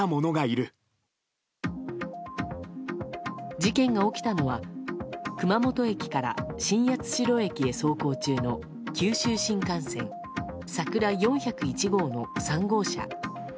事件が起きたのは熊本駅から新八代駅へ走行中の九州新幹線「さくら４０１号」の３号車。